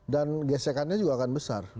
dan gesekannya juga akan besar